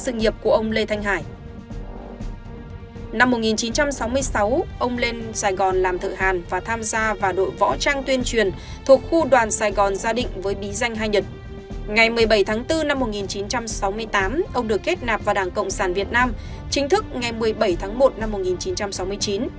ngày một mươi bảy tháng bốn năm một nghìn chín trăm sáu mươi tám ông được kết nạp vào đảng cộng sản việt nam chính thức ngày một mươi bảy tháng một năm một nghìn chín trăm sáu mươi chín